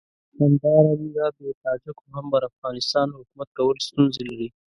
همدارنګه بې تاجکو هم پر افغانستان حکومت کول ستونزې لري.